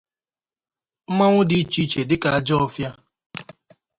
Mmanwụ di iche iche dịka Ajọfịa